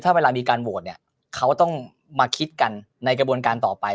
ถ้าเวลามีการโหวตเนี่ยเขาต้องมาคิดกันในกระบวนการต่อไป